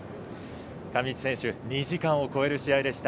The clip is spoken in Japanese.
上地選手２時間を超える試合でした。